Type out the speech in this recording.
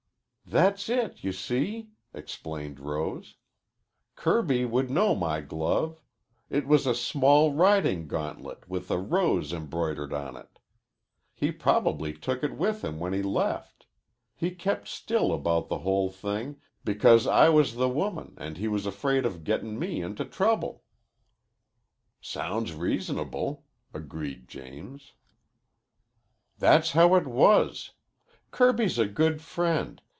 "That's it, you see," explained Rose. "Kirby would know my glove. It was a small riding gauntlet with a rose embroidered on it. He probably took it with him when he left. He kept still about the whole thing because I was the woman and he was afraid of gettin' me into trouble." "Sounds reasonable," agreed James. "That's how it was. Kirby's a good friend.